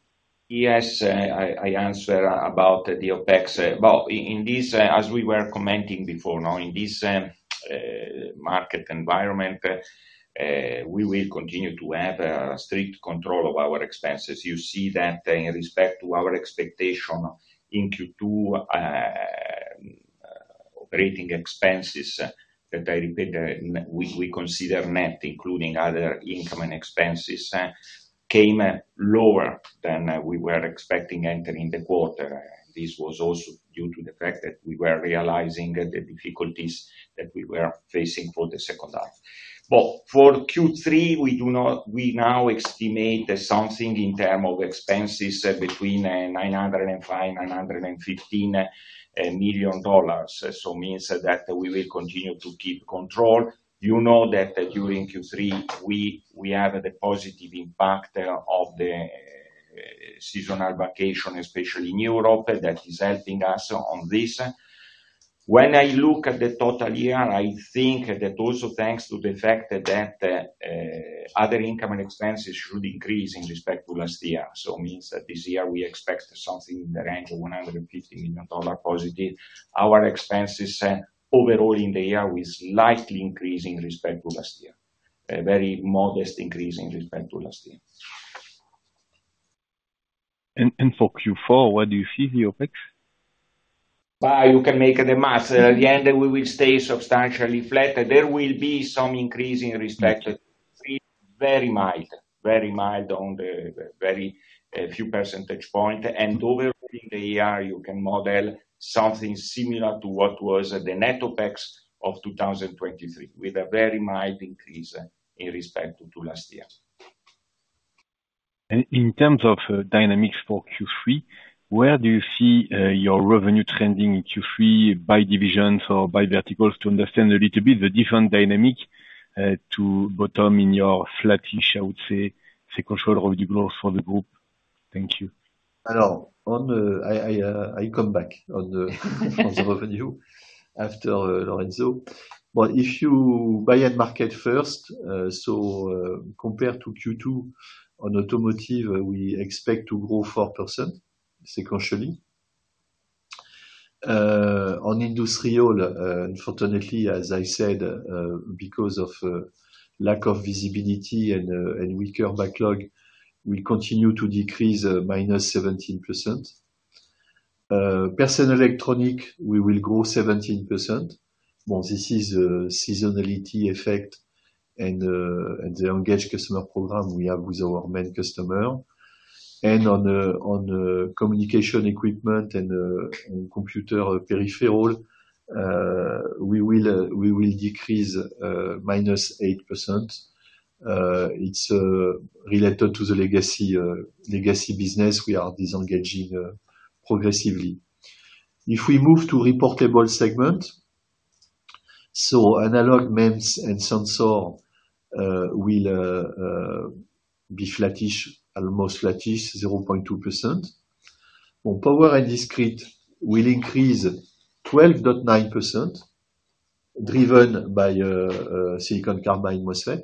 Yes, I answer about the OpEx. Well, in this, as we were commenting before, now, in this market environment, we will continue to have a strict control of our expenses. You see that in respect to our expectation in Q2, operating expenses, that I repeat, we consider net, including other income and expenses, came lower than we were expecting entering the quarter. This was also due to the fact that we were realizing the difficulties that we were facing for the second half. But for Q3, we now estimate something in terms of expenses between $905 million and $915 million. So means that we will continue to keep control. You know that during Q3, we have the positive impact of the seasonal vacation, especially in Europe, that is helping us on this. When I look at the total year, I think that also thanks to the fact that other income and expenses should increase in respect to last year. So it means that this year we expect something in the range of $150 million positive. Our expenses overall in the year will slightly increase in respect to last year. A very modest increase in respect to last year. For Q4, where do you see the OpEx? You can make the math. At the end, we will stay substantially flat, and there will be some increase in respect to-... Very mild, very mild on the very few percentage points, and overall in the AI, you can model something similar to what was the net OpEx of 2023, with a very mild increase in respect to last year. In terms of dynamics for Q3, where do you see your revenue trending in Q3 by divisions or by verticals to understand a little bit the different dynamic to bottom in your flattish, I would say, sequential growth for the group? Thank you. On the revenue after Lorenzo, I come back. But if you buy end market first, compared to Q2, on automotive, we expect to grow 4% sequentially. On industrial, unfortunately, as I said, because of lack of visibility and weaker backlog, we continue to decrease -17%. On personal electronic, we will grow 17%. Well, this is a seasonality effect and the engage customer program we have with our main customer. And on communication equipment and on computer peripheral, we will decrease -8%. It's related to the legacy business we are disengaging progressively. If we move to reportable segment, so analog, MEMS and sensor will be flattish, almost flattish, 0.2%. On power and discrete, we'll increase 12.9%, driven by silicon carbide MOSFET.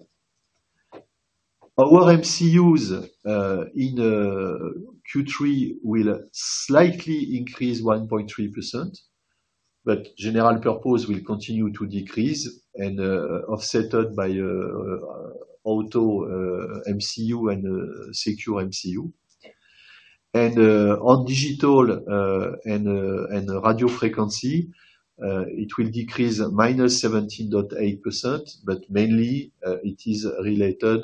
Our MCUs in Q3 will slightly increase 1.3%, but general purpose will continue to decrease and offset by auto MCU and secure MCU. On digital and radio frequency, it will decrease -17.8%, but mainly it is related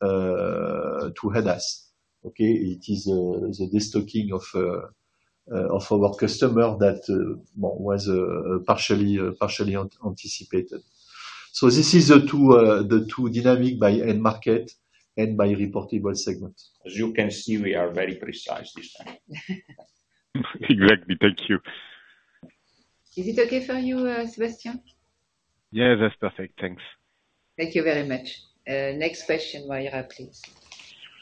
to ADAS. Okay? It is the destocking of our customer that well was partially anticipated. So this is the two dynamics by end market and by reportable segment. As you can see, we are very precise this time. Exactly. Thank you. Is it okay for you, Sebastian? Yeah, that's perfect. Thanks. Thank you very much. Next question, Mayra, please.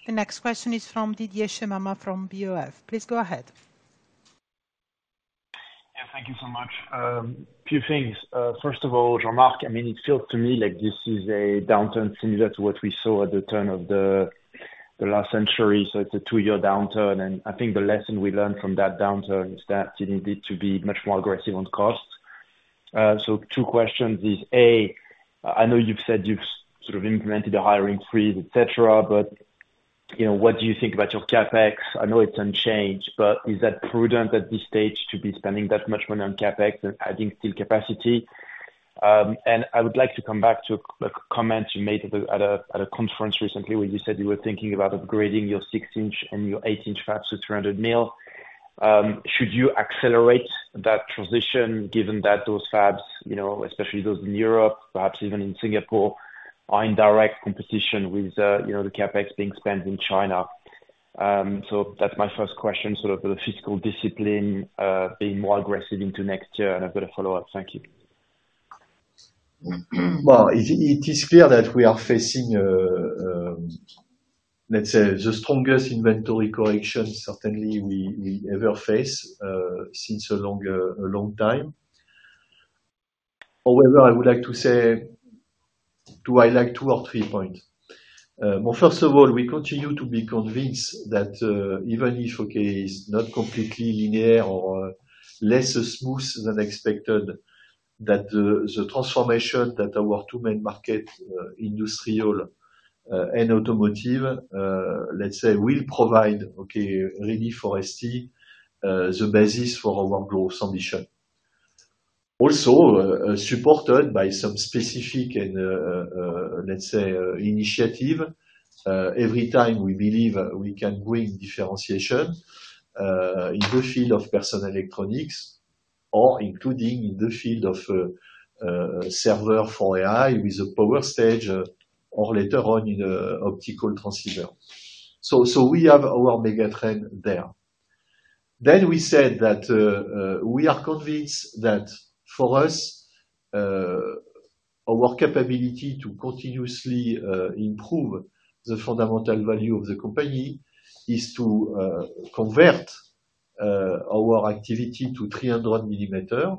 The next question is from Didier BofA. Please go ahead. Yeah, thank you so much. Few things. First of all, Jean-Marc, I mean, it feels to me like this is a downturn similar to what we saw at the turn of the, the last century, so it's a two-year downturn. And I think the lesson we learned from that downturn is that you need to be much more aggressive on cost. So two questions is, A, I know you've said you've sort of implemented a hiring freeze, et cetera, but, you know, what do you think about your CapEx? I know it's unchanged, but is that prudent at this stage to be spending that much money on CapEx and adding still capacity? I would like to come back to a comment you made at a conference recently, where you said you were thinking about upgrading your 6-inch and your 8-inch fabs to 300 mil. Should you accelerate that transition given that those fabs, you know, especially those in Europe, perhaps even in Singapore, are in direct competition with, you know, the CapEx being spent in China? That's my first question, sort of the fiscal discipline, being more aggressive into next year, and I've got a follow-up. Thank you. Well, it is clear that we are facing, let's say, the strongest inventory correction, certainly, we ever face, since a long time. However, I would like to say to highlight two or three points. Well, first of all, we continue to be convinced that, even if, okay, it's not completely linear or less smooth than expected, that the transformation that our two main market, industrial, and automotive, let's say, will provide, okay, really for ST, the basis for our growth ambition. Also, supported by some specific and, let's say, initiative, every time we believe we can bring differentiation, in the field of personal electronics or including in the field of, server for AI with a power stage, or later on in an optical transceiver. So we have our mega trend there. Then we said that we are convinced that for us our capability to continuously improve the fundamental value of the company is to convert our activity to 300 millimeter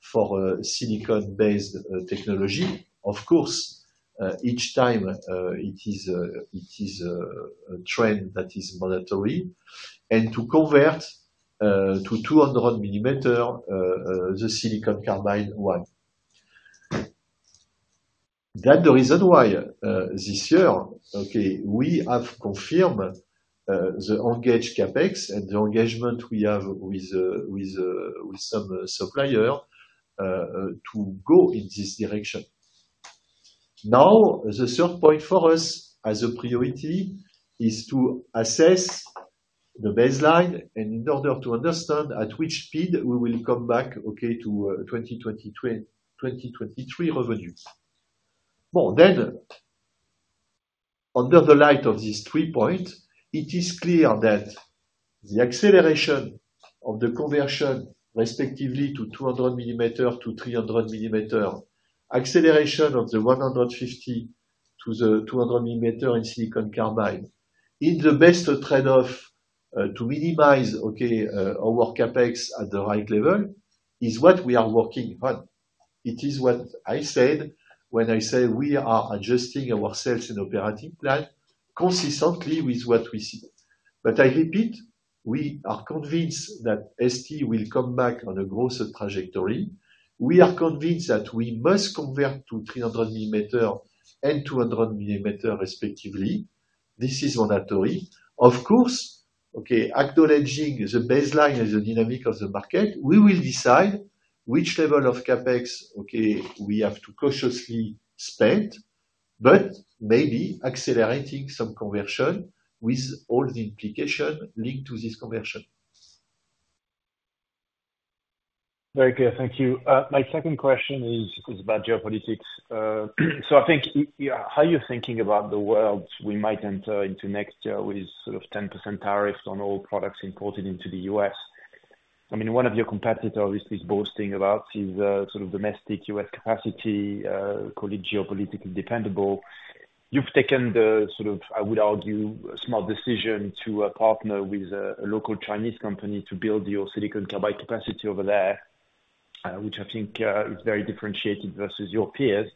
for silicon-based technology. Of course each time it is a trend that is mandatory, and to convert to 200 millimeter the silicon carbide one. That's the reason why this year okay we have confirmed the engaged CapEx and the engagement we have with some supplier to go in this direction. Now the third point for us as a priority is to assess the baseline and in order to understand at which speed we will come back okay to 2023 revenues. Well, then under the light of these three points, it is clear that the acceleration of the conversion respectively to 200 millimeter to 300 millimeter, acceleration of the 150 to the 200 millimeter in silicon carbide, is the best trade-off, to minimize, our CapEx at the right level, is what we are working on. It is what I said when I say we are adjusting our sales and operating plan consistently with what we see. But I repeat, we are convinced that ST will come back on a growth trajectory. We are convinced that we must convert to 300 millimeter and 200 millimeter, respectively. This is mandatory. Of course, okay, acknowledging the baseline and the dynamic of the market, we will decide which level of CapEx, okay, we have to cautiously spend, but maybe accelerating some conversion with all the implication linked to this conversion. Very clear. Thank you. My second question is about geopolitics. So I think, how are you thinking about the world we might enter into next year with sort of 10% tariffs on all products imported into the U.S.? I mean, one of your competitors is boasting about his, sort of domestic U.S. capacity, call it geopolitically dependable. You've taken the sort of, I would argue, a smart decision to partner with a local Chinese company to build your silicon carbide capacity over there, which I think is very differentiated versus your peers.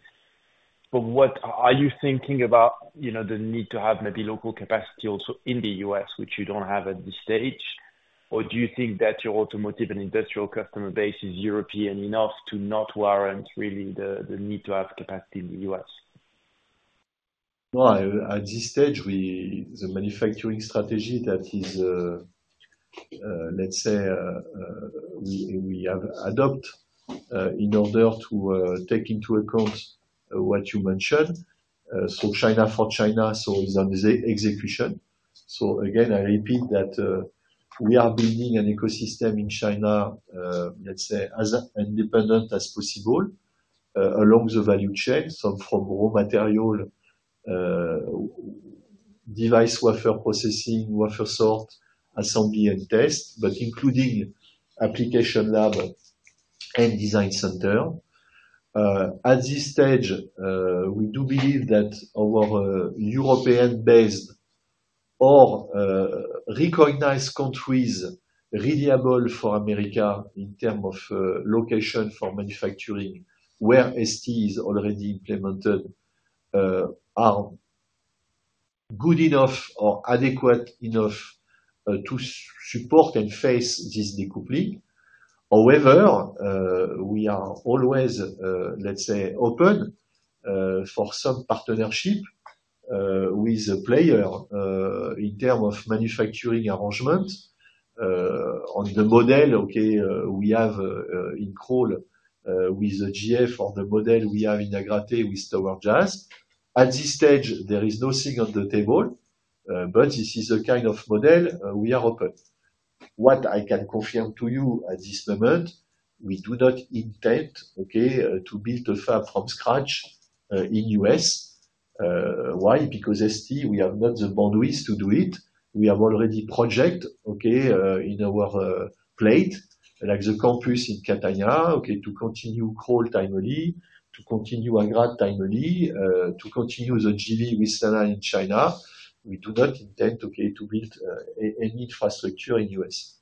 But what are you thinking about, you know, the need to have maybe local capacity also in the U.S., which you don't have at this stage? Or do you think that your automotive and industrial customer base is European enough to not warrant really the need to have capacity in the U.S.? Well, at this stage, the manufacturing strategy that is, let's say, we have adopt, in order to take into account what you mentioned. So China for China, so is under the execution. So again, I repeat that, we are building an ecosystem in China, let's say, as independent as possible, along the value chain. So from raw material, device wafer processing, wafer sort, assembly, and test, but including application lab and design center. At this stage, we do believe that our European-based or recognized countries, reliable for America in term of location for manufacturing, where ST is already implemented, are good enough or adequate enough, to support and face this decoupling. However, we are always, let's say, open for some partnership with a player in terms of manufacturing arrangement on the model, okay, we have in Crolles with GF or the model we have in Agrate with TowerJazz. At this stage, there is nothing on the table, but this is a kind of model we are open. What I can confirm to you at this moment, we do not intend, okay, to build a fab from scratch in U.S. Why? Because ST, we have not the bandwidth to do it. We have already projects, okay, in our plate, like the campus in Catania, okay, to continue Crolles timely, to continue Agrate timely, to continue the JV with ST in China. We do not intend, okay, to build any infrastructure in U.S.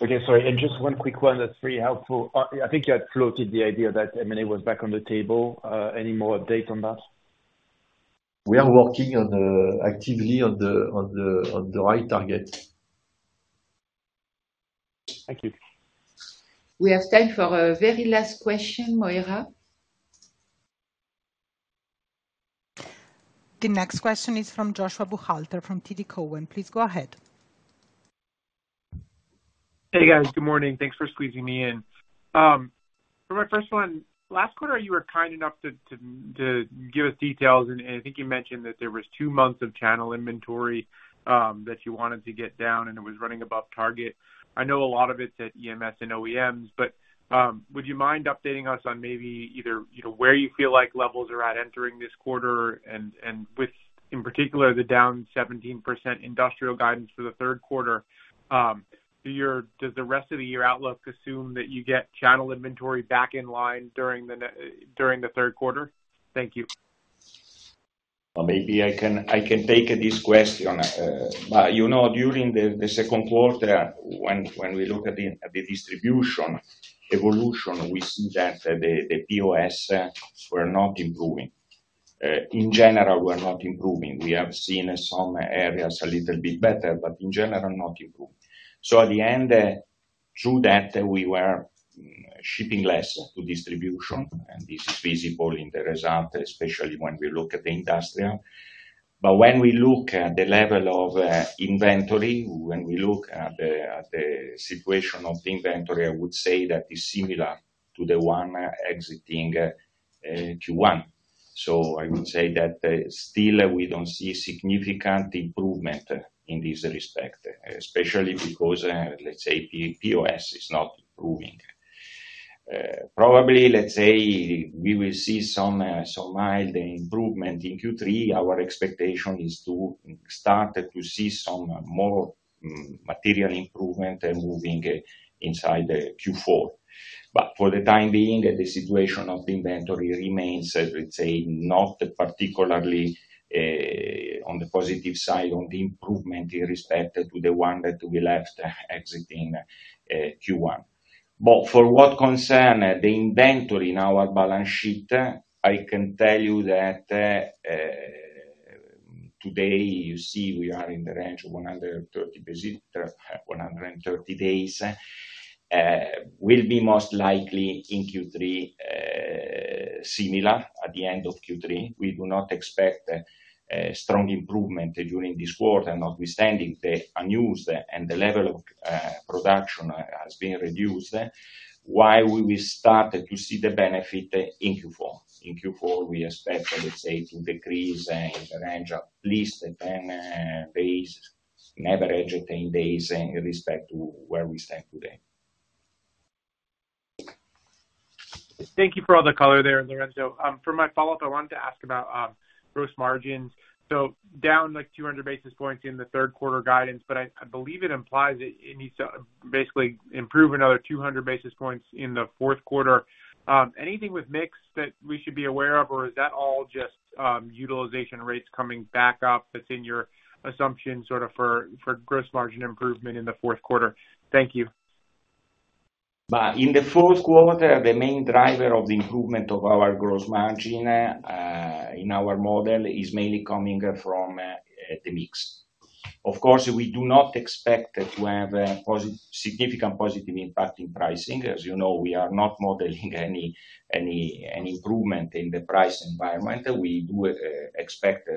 Okay, sorry. Just one quick one that's very helpful. I think you had floated the idea that M&A was back on the table. Any more update on that? We are working actively on the right target. Thank you. We have time for a very last question, Moira. The next question is from Joshua Buchalter, from TD Cowen. Please go ahead. Hey, guys. Good morning. Thanks for squeezing me in. For my first one, last quarter, you were kind enough to give us details, and I think you mentioned that there was two months of channel inventory that you wanted to get down, and it was running above target. I know a lot of it's at EMS and OEMs, but would you mind updating us on maybe either, you know, where you feel like levels are at entering this quarter and, with, in particular, the down 17% industrial guidance for the third quarter, does the rest of the year outlook assume that you get channel inventory back in line during the third quarter? Thank you. Maybe I can take this question. You know, during the second quarter, when we look at the distribution evolution, we see that the POS were not improving. In general, were not improving. We have seen some areas a little bit better, but in general, not improving. So at the end, through that, we were shipping less to distribution, and this is visible in the result, especially when we look at the Industrial. But when we look at the level of inventory, when we look at the situation of the inventory, I would say that is similar to the one exiting Q1. So I would say that still we don't see significant improvement in this respect, especially because, let's say, POS is not improving. Probably, let's say, we will see some, some mild improvement in Q3. Our expectation is to start to see some more, material improvement and moving, inside the Q4. But for the time being, the situation of inventory remains, I would say, not particularly, on the positive side on the improvement, in respect to the one that we left exiting, Q1. But for what concern the inventory in our balance sheet, I can tell you that, today, you see we are in the range of 130 days. Will be most likely in Q3, similar at the end of Q3. We do not expect a strong improvement during this quarter, notwithstanding the unused and the level of, production has been reduced. Why we started to see the benefit in Q4? In Q4, we expect, let's say, to decrease in the range of at least 10 days, an average of 10 days in respect to where we stand today. Thank you for all the color there, Lorenzo. For my follow-up, I wanted to ask about gross margins. So down, like, 200 basis points in the third quarter guidance, but I believe it implies it needs to basically improve another 200 basis points in the fourth quarter. Anything with mix that we should be aware of, or is that all just utilization rates coming back up that's in your assumption, sort of, for gross margin improvement in the fourth quarter? Thank you. But in the fourth quarter, the main driver of the improvement of our gross margin, in our model, is mainly coming from the mix. Of course, we do not expect to have a significant positive impact in pricing. As you know, we are not modeling any improvement in the price environment. We do expect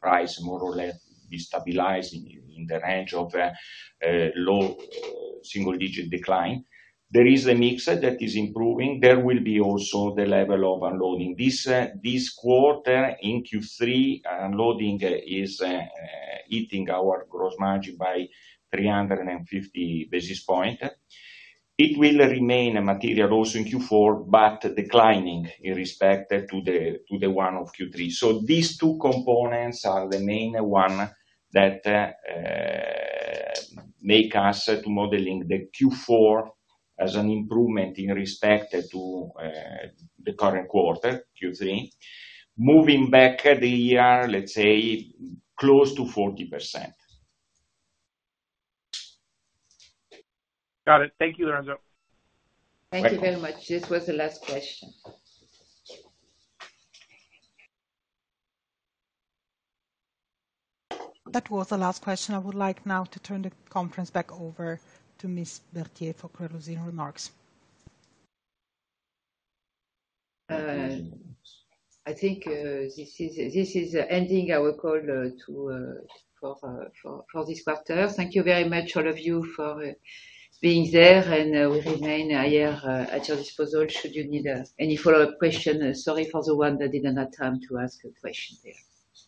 price more or less be stabilized in the range of a low single digit decline. There is a mix that is improving. There will be also the level of underloading. This quarter, in Q3, underloading is hitting our gross margin by 350 basis points. It will remain a material also in Q4, but declining in respect to the one of Q3. So these two components are the main one that make us to modeling the Q4 as an improvement in respect to the current quarter, Q3. Moving back the year, let's say, close to 40%. Got it. Thank you, Lorenzo. Thank you very much. This was the last question. That was the last question. I would like now to turn the conference back over to Miss Berthier for closing remarks. I think this is ending our call for this quarter. Thank you very much, all of you, for being there, and we remain here at your disposal, should you need any follow-up question. Sorry for the one that didn't have time to ask a question there.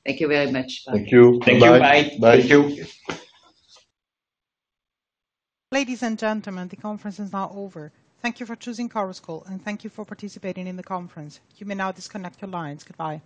Thank you very much. Thank you. Bye. Thank you. Bye. Bye. Thank you. Ladies and gentlemen, the conference is now over. Thank you for choosing Chorus Call, and thank you for participating in the conference. You may now disconnect your lines. Goodbye.